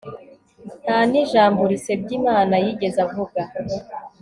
nta n'ijambo risebya imana yigeze avuga